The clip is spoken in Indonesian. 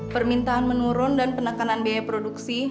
permintaan menurun dan penekanan biaya produksi